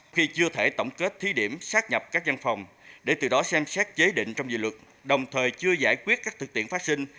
khi chưa thể tổng kết thí điểm sát nhập các văn phòng để từ đó xem xét chế định trong dự luật đồng thời chưa giải quyết các thực tiện phát sinh